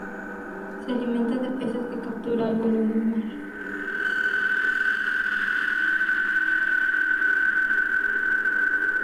Se alimenta de peces que captura al vuelo en el mar.